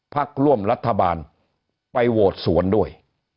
พักร่วมรัฐบาลไปโหวตสวนด้วย